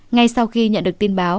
ngay sau khi nhận được tin báo